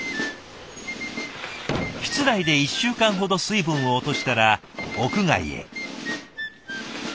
室内で１週間ほど水分を落としたら屋外へ。